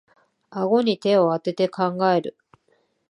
あごに手をあてて考える